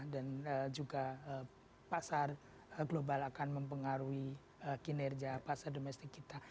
dan juga pasar global akan mempengaruhi kinerja pasar domestik kita